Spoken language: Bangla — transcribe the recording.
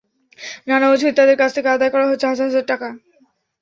নানা অজুহাতে তাঁদের কাছ থেকে আদায় করা হচ্ছে হাজার হাজার টাকা।